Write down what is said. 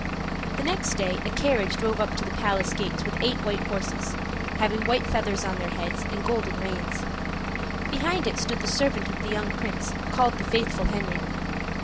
The next day a carriage drove up to the palace gates with eight white horses, having white feathers on their heads and golden reins. Behind it stood the servant of the young prince, called the faithful Henry.